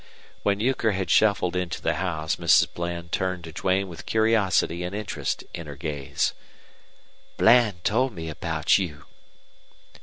When Euchre had shuffled into the house Mrs. Bland turned to Duane with curiosity and interest in her gaze. "Bland told me about you."